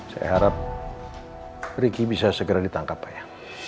saya harap ricky bisa segera ditangkap pak ya